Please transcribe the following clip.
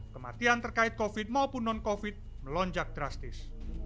kematian terkait covid maupun non covid melonjak drastis